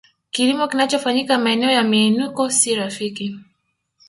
Kilimo kinachofanyika maeneo ya miinuko si rafiki